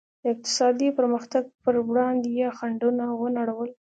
د اقتصادي پرمختګ پر وړاندې یې خنډونه ونړول.